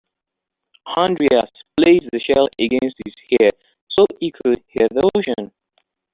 Andreas placed the shell against his ear so he could hear the ocean.